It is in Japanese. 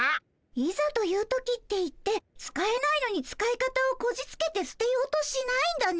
「いざという時」って言って使えないのに使い方をこじつけて捨てようとしないんだね。